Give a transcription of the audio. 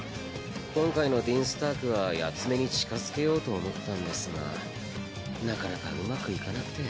今回のディンスタークは八つ眼に近づけようと思ったんですがなかなかうまくいかなくて。